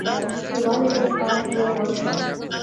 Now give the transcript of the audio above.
، چې ولې دې فرج وواژه؟